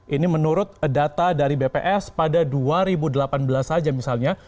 ini menurut data dari bps pada dua ribu delapan belas saja misalnya